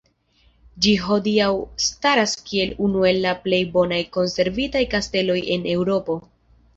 Ĝi hodiaŭ staras kiel unu el la plej bonaj konservitaj kasteloj en Eŭropo.